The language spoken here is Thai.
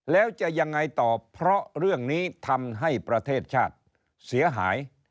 แล้วจะยังไงต่อเพราะเรื่องนี้ทำให้ประเทศชาติเสียหาย